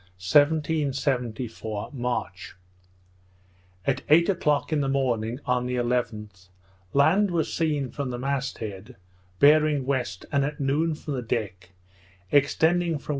_ 1774 March At eight o'clock in the morning, on the 11th, land was seen, from the mast head, bearing west, and at noon from the deck, extending from W.